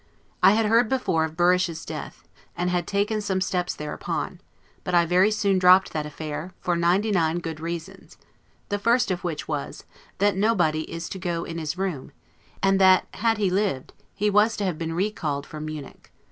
I had heard before of Burrish's death, and had taken some steps thereupon; but I very soon dropped that affair, for ninety nine good reasons; the first of which was, that nonody is to go in his room, and that, had he lived, he was to have been recalled from Munich.